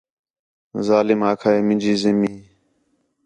ظالم آکھا ہے مینجی زمین